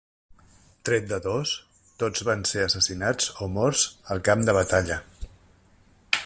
Tret de dos, tots van ser assassinats o morts al camp de batalla.